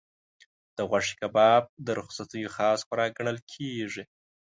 د غوښې کباب د رخصتیو خاص خوراک ګڼل کېږي.